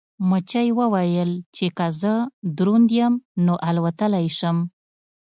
مچۍ وویل چې که زه دروند یم نو الوتلی شم.